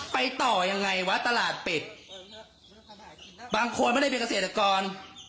ไปต่อยังไงวะตลาดปิดบางคนไม่ได้เป็นเกษตรกร